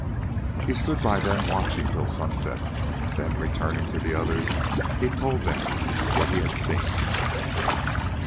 He stood by them watching till sunset, then returning to the others, he told them what he had seen.